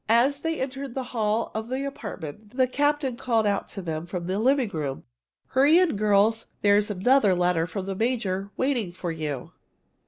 As they entered the hall of the apartment, the captain called out to them from the living room: "Hurry in, girls! There's another letter from the major waiting for you!"